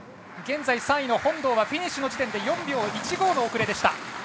現在、３位の本堂はフィニッシュの時点で４秒１５の遅れでした。